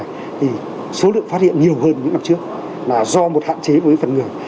thì số lượng phát hiện nhiều hơn những năm trước là do một hạn chế với phần người